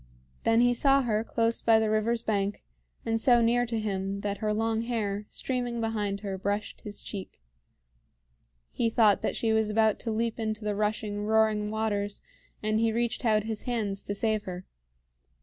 Then he saw her close by the river's bank, and so near to him that her long hair, streaming behind her, brushed his cheek. He thought that she was about to leap into the rushing, roaring waters, and he reached out his hands to save her.